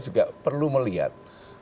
juga perlu melihat